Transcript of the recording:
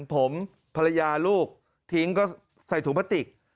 ผมภรรยาลูกทิ้งก็ใส่ถุงพลาสติก